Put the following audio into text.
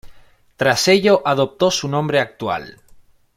Tras ello adoptó su nombre actual.